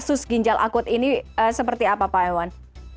kasus ginjal akut ini seperti apa pak ewan